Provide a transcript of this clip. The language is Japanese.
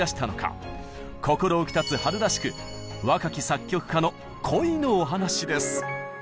心浮き立つ春らしく「若き作曲家の恋のお話」です！